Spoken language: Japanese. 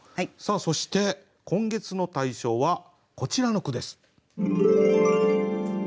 そして今月の大賞はこちらの句です。